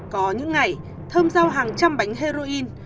có những ngày thơm giao hàng trăm bánh heroin